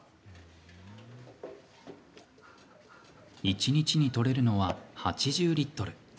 一日にとれるのは８０リットル。